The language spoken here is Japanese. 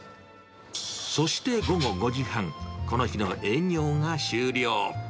そして午後５時半、この日の営業が終了。